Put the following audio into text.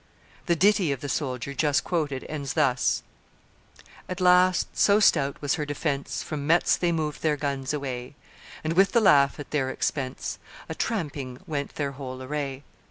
The ditty of the soldier just quoted ends thus: "At last, so stout was her defence, From Metz they moved their guns away; And, with the laugh at their expense, A tramping went their whole array.